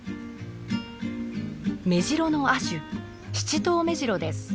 メジロの亜種シチトウメジロです。